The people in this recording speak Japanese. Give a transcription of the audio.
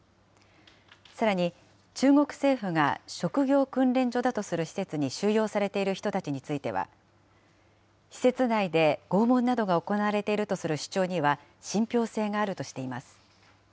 さらに、中国政府が職業訓練所だとする施設に収容されている人たちについては、施設内で拷問などが行われているとする主張には信ぴょう性があるとしています。